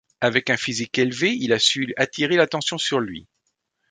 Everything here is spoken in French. Avec un physique élevé, il a su attirer l'attention sur lui.